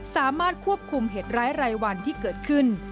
สามารถควบคุมเหตุร้ายรายวันที่เกิดขึ้น